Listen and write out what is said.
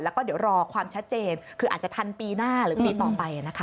แล้วก็เดี๋ยวรอความชัดเจนคืออาจจะทันปีหน้าหรือปีต่อไปนะคะ